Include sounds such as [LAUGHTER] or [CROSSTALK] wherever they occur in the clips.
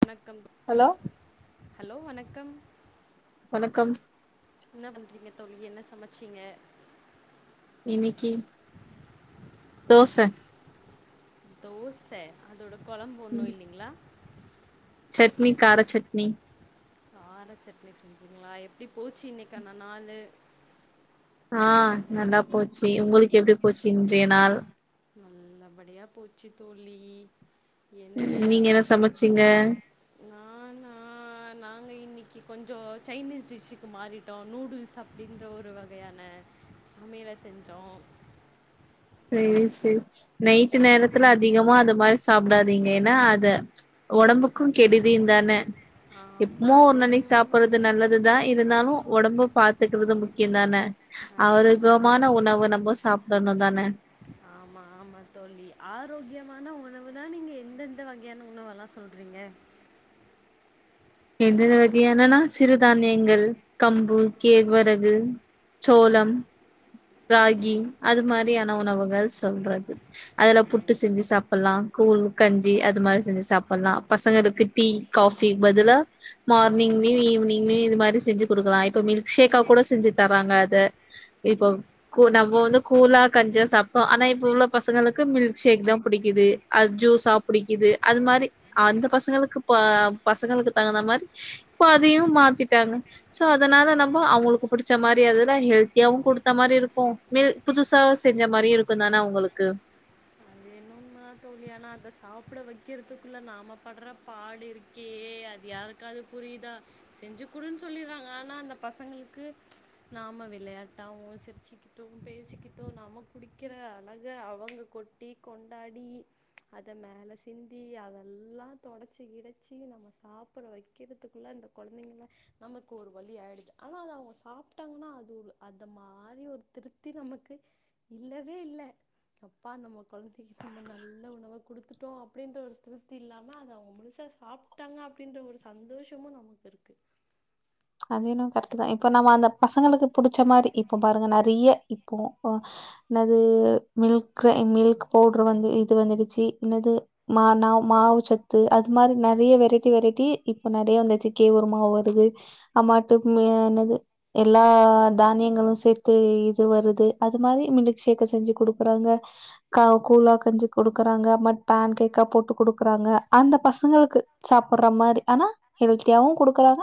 வணக்கம் hello hello வணக்கம் வணக்கம் இன்னா பண்றீங்க த் தோழி என்ன சமச்சிங்க இன்னிக்கி தோச தோச அ அதோட கொழம்பு ஒன்னு ம் இல்லைங்களா சட்னி கார சட்னி கார சட்னி செஞ்சீங்களா எப்டி போச்சு இன்னைக்கான நாளு ஆ நல்லா போச்சு உங்களுக்கு எப்படி போச்சு இன்றைய நாள் நல்ல படியா போச்சி தோழி என்ன நீங்க என்ன சமைச்சீங்க கொஞ்சோ சைனீஸ் டிஷ்ஷுக்கு மாறிட்டோ நூடுல்ஸ் அப்படின்ற ஒரு வகையான சமையல செஞ்சோம் சேரி சேரி நைட்டு நேரத்துல அதிகமா அந்த மாரி சாப்பிடாதீங்க ஏன்னா அது ஒடம்புக் கு கெடுதி தானே ஆமாம் எப்பமோ ஒரு அது என்ன நன்னைக்கு உண்மை சாப்பிடுறது நல்லது தா இருந்தாலு ஒடம்பு பாத்துக்கறது முக்கியம் தானே அது என்ன ஆரோகமான உண்மைதான் உணவு தோழி நம்ம சாப்பிடணு தானே ஆமா ஆமா தோழி ஆரோக்கியமான உணவு தா நீங்க எந்தெந்த வகையான உணவுல்லா சொல்றீங்க எந்தந்த வகையானனா சிறுதானியங்கள் கம்பு கேழ்வரகு சோளம் ராகி அது மாரியான உணவுகள் சொல்றது அதுல புட்டு அப்படின்னு செஞ்சு சாப்பலாம் கூழ் கஞ்சி அது மாரி செஞ்சு சாப்பலாம் பசங்களுக்கு டீ காஃபி பதிலா மார்னிங்லயு ஈவினிங்லயு இது மாரி செஞ்சு குடுக்கலா இப்ப மில்க் ஷேக்கா கூட செஞ்சு தறாங்க அத இப்போ நம்ம வந்து கூலா கஞ்சா சாப்பிட்டோ ஆனா இப்ப உள்ள பசங்களுக்கு மில்க் ஷேக் தா புடிக்குது அது ஜூஸா புடிக்குது அது மாரி அந்த பசங்களுக்கு ப பசங்களுக்கு தகுந்த மாரி இப்ப அதையு மாத்திட்டாங்க சோ அதனால நம்ம அவங்களுக்கு பிடிச்ச மாரி அததா ஹெல்த்தியாவு குடுத்த மாரி இருக்கு மில் புதுசா செஞ்ச மாரியும் இருக்கும் தானே அவங்களுக்கு ஆமா தோழி ஆனா அத சாப்பிட வைக்கிறதுக்குள்ள நாம படுற பாடு இருக்கே அது யாருக்காவது புரியுதா செஞ்சுக்குடுன்னு சொல்லிறாங்க ஆனா அந்த பசங்களுக்கு நாம விளையாட்டாவு சிரிச்சிக்கிட்டு பேசிக்கிட்டு நம குடிக்கிற அழக அவங்க கொட்டி கொண் கொண்டாடி அத மேல சிந்தி அதெல்லா தொடச்சி கிடச்சி நம்ம சாப்பிட வைக்கிறதுக்குள்ள இந்த கொழந்தைங்கள நமக்கு ஒரு வழி ஆயிடுது ஆனா அத அவங்க சாப்ட்டாங்கன்னா அது அந்த மாரி ஒரு திருப்தி நமக்கு இல்லவே இல்ல அப்பா நம்ம கொழந்தைக் நம்ம நல்ல உணவ கொடுத்துட்டோ அப்படின்ற ஒரு திருப்தி இல்லாம அத அவங்க முழுசா சாப்ட்டாங்க அப்படின்ற ஒரு சந்தோஷமு நமக்கு இருக்கு அது என்னவோ கரெக்ட் தா இப்ப நம்ம அந்த பசங்களுக்கு புடிச்ச மாரி இப்ப பாருங்க நெறைய இப்போ என்னது மில்க் மில்க் பவுடர் வந்து இது வந்துடுச்சு என்னது மா மாவு சத்து அது மாரி நெறைய வெரைட்டி வெரைட்டி இப்போ நெறைய வந்துடுச்சு கேவூர் மாவு வருது அம்மாட்டு என்னது எல்லா தானியங்களும் சேத்து இது வருது அது மாரி மில்ஷேக்க செஞ்சு கொடுக்குறாங்க கா கூழா கஞ்சு கொடுக்குறாங்க பேன் கேக்கா போட்டு குடுக்குறாங்க அந்த பசங்களுக்கு சாப்பிடுற மாரி ஆனா ஹெல்த்தியாவு குடுக்குறாங்க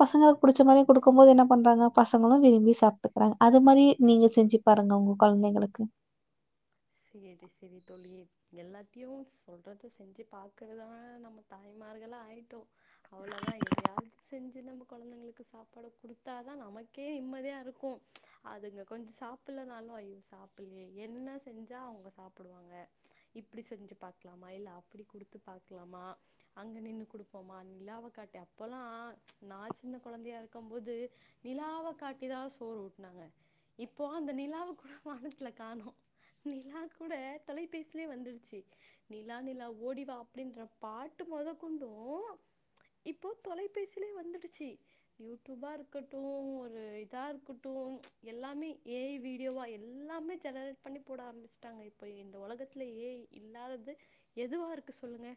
பசங்க புடிச்ச மாதிரி குடுக்கும்போது என்ன பண்றாங்க பசங்களும் விரும்பி சாப்பிட்டுக்கறாங்க அது மாதிரி நீங்க செஞ்சு பாருங்க உங்க குழந்தைகளுக்கு எல்லா [INAUDIBLE] டீயுன்ஸ் சொல்றத செஞ்சு பார்கறதான் நம்ம தாய்மார்களா ஆய்டோம் அவ்வளோதான் எதையாவது செஞ்சு நம்ம குழந்தைங்களுக்கு சாப்பாடு கொடுத்தாதான் நமக்கே நிம்மதியா இருக்கும் அதுங்க கொஞ்சம் சாப்பிடலனாலும் ஐயோ சாப்பலையே என்ன செஞ்சா அவங்க சாப்பிடுவாங்க அப்படி செஞ்சு பாக்கலாமா இல்லை அப்படி குடுத்து பாக்கலாமா அங்க நின்னு குடுப்போமா நிலாவை காட்டி அப் [UNINTELLIGIBLE] ச்சி நிலா நிலா ஓடிவா அப்படின்ற பாட்டு மொத கொண்டு இப்போ தொலைபேசிலே வந்துடுச்சு யூடிபா இருக்கட்டு ஒரு இதா இருக்கட்டு ச்ச் எல்லாமே ஏ ஐ வீடியோவா எல்லாமே ஜெனரேட் பண்ணி போட ஆரம்பிஸ்ட்டாங்க இப்போ இந்த உலகத்து ஏ ஐ இல்லாதது எதுவாருக்கு சொல்லுங்க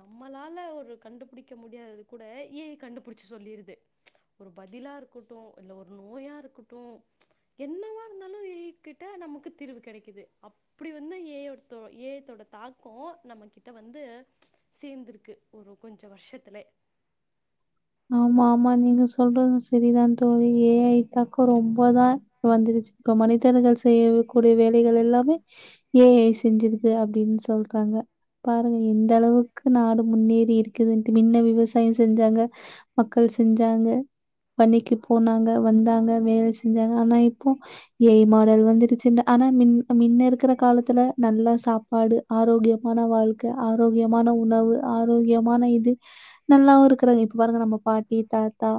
நம்மளால ஒரு கண்டுபிடிக்க முடியாதது கூட ஏ ஐ கண்டுபிடிச்சு சொல்லிருது ச்ச் ஒரு பதிலா இருக்கட்டு இல்ல ஒரு நோயா இருக்கட்டு ச்ச் என்னவா இருந்தாலு ஏ ஐ கிட்ட நமக்கு தீர்வு கெடைக்குது அப்புடி வந்து ஏ ஐ ஒருத்ரோ ஏ ஐ தோட தாக்க நம்ம கிட்ட வந்து ச்ச் சேந்திருக்கு ஒரு கொஞ்சோ வர்ஷத்துலே ஆமா ஆமா நீங்க சொல்றது செரிதா தோழி ஏ ஐ தாக்கோ ரொம்பதா வந்துடுச்சு இப்ப மனிதர்கள் செய்யக்கூடிய வேலைகள் எல்லாமே ஏ ஐ செஞ்சிருது அப்டின் சொல்றாங்க பாருங்க எந்த அளவுக்கு நாடு முன்னேறி இருக்குதுன்ட்டு முன்ன விவசாயோ செஞ்சாங்க மக்கள் செஞ்சாங்க வன்னிக்கு போனாங்க வந்தாங்க வேலை செஞ்சாங்க ஆனா இப்போ ஏ ஐ மாடல் வந்துடுச்சு ஆனா மின்ன மின்ன இருக்கிற காலத்துல நல்லா சாப்பாடு ஆரோகியமான வாழ்க்க ஆரோகியமான உணவு ஆரோகியமான இது நல்லாவு இருக்கறாங்க இப்ப பாருங்க நம்ம பாட்டி தாத்தா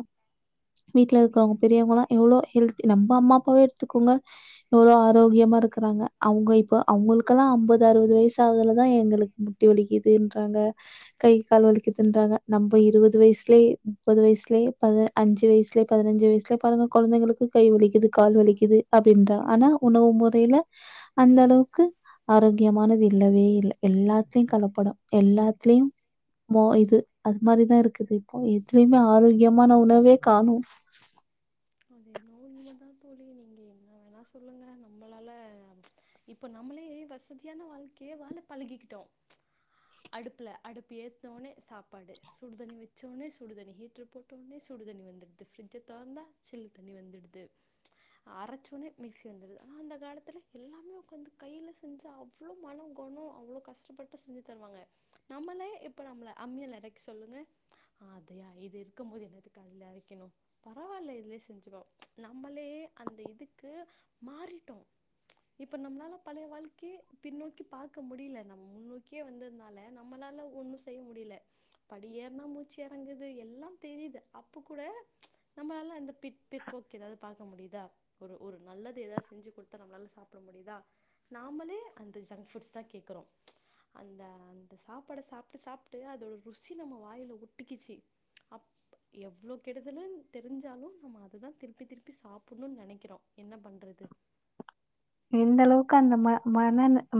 வீட்ல இருக்கிறவங்க பெரியவங்க ல்லா எவ்வளோ ஹெல்தி நம்ம அம்மா அப்பாவே எடுத்துக்கோங்க எவ்ளோ ஆரோகியமா இருக்கறாங்க அவுங்க இப்ப அவுங்களுக்கெல்லா ஐம்பது அறுபது வயசுகுதுலதா எங்களுக்கு முட்டி வலிக்குதுன்றாங்க கை கால் வலிக்குதுன்றாங்க நம்ப இருபது வயசு யே முப்பது வய்சுலயே பத அஞ்சு வய்சுலயே பதினஞ்சு வைஸ்ல பாருங்க கொழந்தைங்களுக்கு கை வலிக்குது கால் வலிக்குது அப்பின்றா ஆனா உணவு முறையில அந்த அளவுக்கு ஆரோக்கியமானது இல்லவே இல்ல எல்லாத்லு கலப்படோ எல்லாத்லியு மோ இது அது மாரிதா இருக்குது கு எத்தலயுமே ஆரோக்கியோ மான உணவே காணு அது என்னவோ உண்மதா தோழி நீங்க என்ன வேணா சொல்லுங்க நம்மளால ச்ச் இப்ப நம்மளே வசதியான வாழ்க்கையே வாழ பழகிக்கிட்டோ ச்ச் அடுப்புல அடுப்பு ஏத்தவோனே சாப்பாடு சுடுதண்ணி வச்சோனே சுடுதண்ணி ஹீட்ரு போட்டோனே சுடு தண்ணி வந்துட்து பிரிஜ்ஜ தொரந்தா சில்லு தண்ணி வந்துடுது அரைச்சோனே மிக்சி வந்துடுது ஆன அந்த காலத்துல எல்லாமே உக்காந்து கைல செஞ்ச அவ்ளோ மணோ குணோ அவ்ளோ கஷ்டப்பட்டு செஞ்சு தருவாங்க நம்மளே இப்ப நம்ப்ள அம்மில அரைக்க சொல்லுங்க அதயா இது இருக்கும் போது என்னதுக் கைல அரைக்கணு பரவாயில்ல இதுலயே செஞ்சுகோ ச்ச் நம்பளே அந்த இதுக்கு மாறிட்டோ ச்ச் இப்ப நம்ப்ளால பழைய வாழ்க்கையே பின்னோக்கி பார்க்க முடியில நம்ம முன்னோக்கியே வந்தத்னால நம்மளால ஒன்னு செய்ய முடில படி ஏற்னா மூச்சு எறங்குது எல்லா தெரிது அப்போ கூட ச்ச் நம்மளால அந்த பிற் பிற்போக்கு எதாவ்து பாக்க முடியுதா ஒரு ஒரு நல்லது எதாவ் செஞ்சு கொட்த்தா நம்மளால சாப்பிட முடியுதா நாமளே அந்த ஜங்க் ஃபுட்ஸ் தா கேக்குறோ ச்ச் அந்த அந்த சாப்பாட சாப்ட்டு சாப்ட்டு அதோட ருசி நம்ம வாயில ஒட்டிக்குச்சு அப் எவ்ளோ கெடுதலன்னு தெரிஞ்சாலும் நம்ம அத தா திருப்பி திருப்பி சாப்புன்னு நெனைக்கிறோ என்ன பண்றது எந்த அளவுக்கு அந்த ம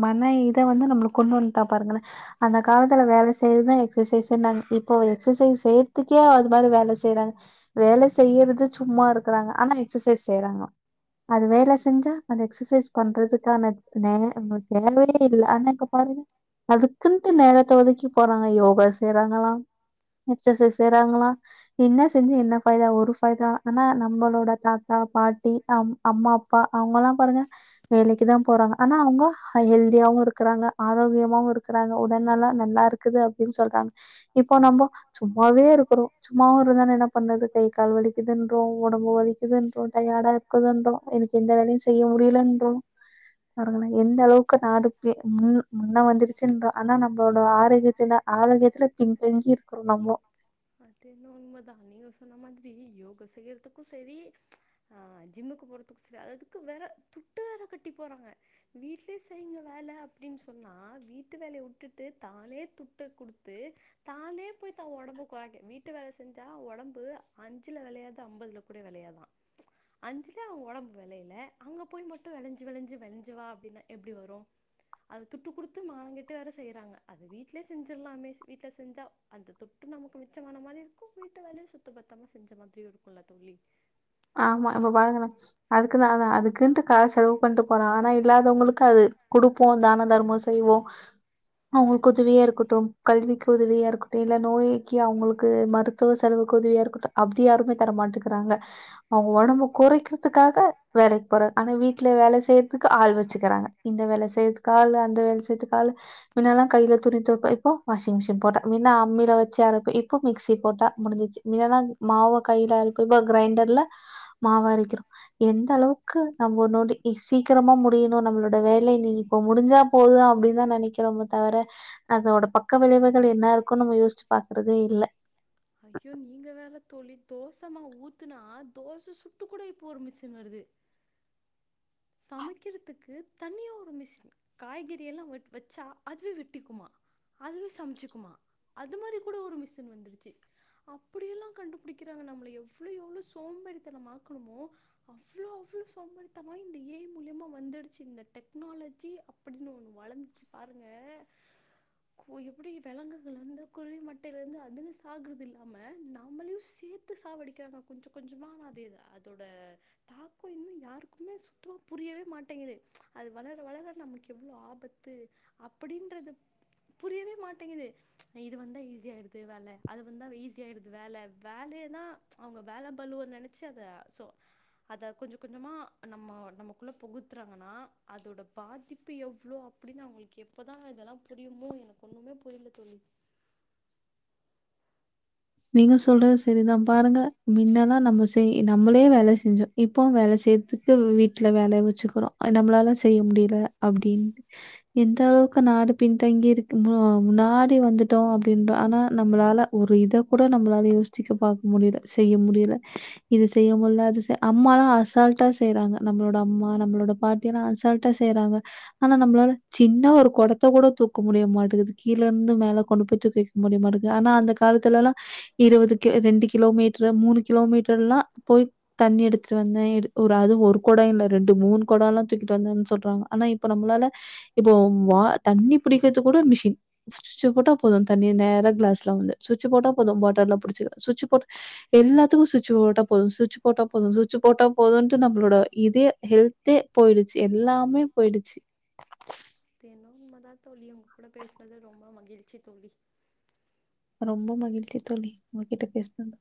மன இத வந்து நம்ப்ளுக் கொண்டு வந்துட்டா பாருங்களே அந்த காலத்துல வேல செய்யறத்தா எக்சசைஸ்னாங்க இப்ப எக்சசைஸ் செய்ற்துக்கே அது மார வேல செய்றாங்க வேல செய்யறது சும்மா இருக்கிறாங்க ஆனா எக்சசைஸ் செய்றாங்களா அது வேல செஞ்சா அந்த எக்சசைஸ் பண்றதுக்கான நே ம் தேவயே இல்ல ஆனா இப்ப பாருங்க அதுக்குன்ட்டு நேரத்த ஒதுக்கி போறாங்க யோகா செய்றாங்களா எக்சசைஸ் செய்றாங்களா என்ன செஞ்சு என்ன [UNINTELLIGIBLE] ஒரு [UNINTELLIGIBLE] ஆனா நம்பளோட தாத்தா பாட்டி அம் அம்மா அப்பா அவுங்களா பாருங்க வேலைக்கு தா போறாங்க ஆனா அவுங்க ஹெல்தியாவு இருக்கறாங்க ஆரோக்கியமாவு இருக்குறாங்க உடல் நலோ நல்லா இருக்குது அப்டின் சொல்றாங்க இப்போ நம்போ சும்மாவே இருக்கிறோ சும்மாவு இருதா என்ன பண்ணுது கை கால் வலிக்குதுன்றோ ஒடம்பு வலிக்குதுன்றோ டயாடா இருக்குதுன்றோ எனக்கு எந்த வேலயு முடியலன்றோ பாருங்களேன் எந்த அளவுக்கு நாடு ப மு முன்ன வந்துருச் ச்சுன்றோ ஆனா நம்பளோட ஆரோக்கியத்துல ஆரோக்கியத்துல பின்தங்கி இருக்குறோ நம்மோ அது என்னமோ உண்ம தா நீங்க சொன்ன மாதிரி யோகா செய்யறதுக்கு செரி ச்ச் அ ஜிம்முக்கு போறதுக்கு செ அததுக்கு வேற துட்டு வேர கட்டி போறாங்க வீட்ல்யே செய்ங்க வேல அப்டின் சொன்னா வீட்டு வேலயை வுட்டுட்டு தானே துட்டு குடுத்து தானே போய் தா ஒடம்ப [UNINTELLIGIBLE] வீட்டு வேல செஞ்ச ஒடம்பு அஞ்சு வெளயாது அம்பதுல கூட வெளயாதா ச்ச் அஞ்ச்ல்யே ஒடம்பு வெளயல அங்க போய் மட்டு வெளஞ்சு வெளஞ்சு வெளஞ்சு வா அப்டினா எப்டி வரு அது துட்டு குடுத்து மானங்கெட்டு வேற செய்றாங்க அத வீட்ல்யே செஞ்சுர்லாமே வீட்ல செஞ்சா அந்த துட்டு நமக் மிச்சமான மாரி இருக்கு வீட்டு வேலயு சுத்த பத்தாம செஞ்ச மாத்ரியு இருக்குல தோழி ஆமா இப்ப பாருங்களே அதுக்குதான அதுக்குன்ட்டு கால செலவு பண்டனட்டு போறாங் ஆனா இல்லாதவங்களுக்கு அது குடுப்போ தான தர்மம் செய்வோ அவுங்ளுக்கு உதவியா இருக்கட்டு கல்விக்கு உதவியா இருக்கட்டு இல்ல நோய்க்கி அவுங்களுக்கு மருத்துவ செலவுக்கு உதவியா இருக்கட்டு அப்டி யாருமே தர மாட்டேக்கிறாங்க அவுங்க ஒடம்பு குறைக்கிறதுக்காக வேலைக் போறாங் ஆனா வீட்டுல வேல செய்யற்துக்கு ஆள் வெச்சுக்கிறாங்க இந்த வேல செய்யதுக்கு ஆளு அந்த வேல் செய்யதுக்கு ஆளு மின்னெல்லா கைல துணி தோப்போ இப்போ வாஷிங் மிஷின் போட்டா மின்ன அம்மில வச்சு அரப்ப இப்போ மிக்சி போட்டா முடிஞ்சிச்சு மின்னல்லா மாவ கைல அரப்போ இப்ப க்ரைண்டர்ல மாவாரைக்கிறோ எந்த அளவுக்கு நம்ம ஒரு நொடி சீக்கிரமா முடியணு நம்மளோட வேலை நீ இப்ப முடிஞ்சா போது அப்டின் தா நெனைக்கிறோமே தவிர அதோட பக்க விளைவுகள் என்ன இருக்குனு நம்ம யோசிச்சு பாக்குறதே இல்ல ஐயோ நீங்கள் வேற தோழி தோச மால் ஊத்துனா தோச சுட்டு கூட இப்போ ஒரு மிஷின் வருது சமைக்கிறதுக்கு தனியா ஒரு மிஷின் காய்கறி எல்லா வெட் வெச்சா அதுவே வெட்டிக்குமா அதுவே சமச்சுக்குமா அது மாரி கூட ஒரு மிஸின் வந்துருச்சு அப்புடியெல்லா கண்டுபிடிக்கிறாங்க நம்மள எவ்ளோ எவ்ளோ சோம்பேரிதனம் ஆக்கணுமோ அவ்ளோ அவ்ளோ சோம்பேரித்தனமாயி இந்த ஏ ஐ மூல்யமா வந்துடுச்சு இந்த டெக்னாலஜி அப்படின்னு ஒண்ணு வளர்ந்துச்சு பாருங்க கு எப்படி விலங்குகள் அந்த குருவி மட்டையில இருந்து அதுன்னு சாகுறது இல்லாம நம்மளையு சேத்து சாவடிக்கிறாங்க கொஞ்ச கொஞ்சமா ஆனா அதோட தாக்கோ இன்னு யாருக்குமே சு சுத்தமா புரியவே மாட்டேங்குது ச்ச் அது வளர வளர நமக்கு எவ்ளோ ஆபத்து அப்படின்றது புரியவே மாட்டேங்குது இது வந்தா ஈஸி ஆய்டுது வேல அது வந்தா ஈஸி ஆய்டுது வேல வேலயே தா ச்ச் அவுங்க வேல பலுவ நெனச்சி அத சோ அத கொஞ்சு கொஞ்சமா நம்ம நமக்குள்ள புகுத்துறாங்கன்னா அதோட பாதிப்பு எவ்ளோ அப்படின்னு அவுங்ளுக்கு எப்பதா இதெல்லா புரியுமோ எனக் ஒண்ணுமே புரில தோழி நீங்க சொல்றது செரிதா பாருங்க மின்னெல்லா நம்ம செய் நம்மளே வேல செஞ்சோ இப்போ வேல செய்ற்த்துக்கு வீட்ல வேல வச்சுக்கிறோ நம்ப்ளால செய்ய முடில அப்டீன்ட்டு எந்த அளவுக்கு நாடு பின்தங்கி இருக்கு அ முன்னாடி வந்துட்டோ அப்டின்ற ஆனா நம்பளால ஒரு இத கூட நம்ப்ளால யோஸ்ச்சிக்க பாக்க முடில செய்ய முடில இது செய்ய முல்ல அது செய் அம்மாலா அசால்ட்டா செய்றாங்க நம்ப்ளோட அம்மா நம்ப்ளோட பாட்டி எல்லா அசால்ட்டா செய்யறாங்க ஆனா நம்ப்ளால சின்னா ஒரு கொடத்த கூட தூக்க முடிய மாட்டேக்குது கீழ இருந்து மேலே கொண்டு போய் தூக்கி வெக்க முடிய மாட்டேக்குது ஆனா அந்த காலத்துலலா இருபது கி ரெண்டு கிலோமீட்ரு மூணு கிலோமீட்டர்லா போய் தண்ணி எடுத்ட்டு வந்தே இரு ஒரு அது ஒரு கொடோ இல்ல ரெண்டு மூணு கொடோலா தூக்கிட்டு வந்தேன்னு சொல்றாங்க ஆனா இப்ப நம்பளால இப்போ வா தண்ணி புடிக்கிற்துக் கூட மிஷின் சுவிச்ச போட்டா போது தண்ணி நேர க்ளாஸ்ல வந்து சுவிச்சு போட்டா போது பாட்டில்ல புடிச்சு ச்விச் போட் எல்லாத்துக்கு ச்விச்சு போட்டா போது சுட்சு போட்டா போது சுட்சு போட்டா போதும்ட்டு நம்பளோட இதே ஹெல்த்தே போய்டுச்சு எல்லாமே போய்டுச்சு அது என்னமோ உண்மதா தோழி உங்க கூட பேசுனது ரொம்ப மகிழ்ச்சி தோழி ரொம்ப மகிழ்ச்சி தோழி உங்ககிட்ட பேஸ்னது